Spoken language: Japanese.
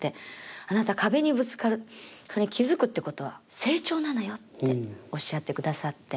あなた壁にぶつかるそれに気付くってことは成長なのよっておっしゃってくださって。